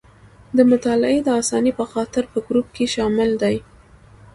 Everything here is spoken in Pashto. د مطالعې د اسانۍ په خاطر په ګروپ کې شامل دي.